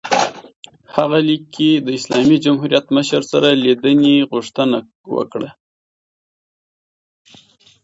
هغه لیک کې د اسلامي جمهوریت مشر سره لیدنې غوښتنه وکړه.